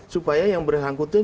supaya yang bersangkutan